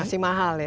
masih mahal ya